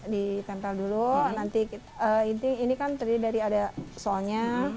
ditempel dulu nanti ini kan tadi dari ada solnya